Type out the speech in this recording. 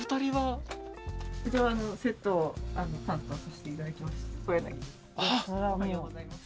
一応セットを担当させていただきました小柳です。